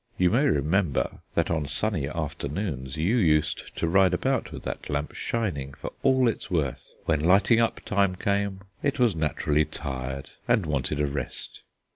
You may remember that on sunny afternoons you used to ride about with that lamp shining for all it was worth. When lighting up time came it was naturally tired, and wanted a rest."